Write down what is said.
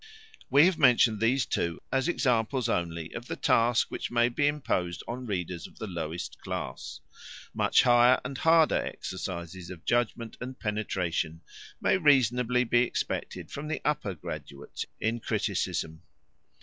We have mentioned these two, as examples only of the task which may be imposed on readers of the lowest class. Much higher and harder exercises of judgment and penetration may reasonably be expected from the upper graduates in criticism.